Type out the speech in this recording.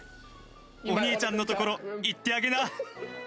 お兄ちゃんの所、行ってあげな。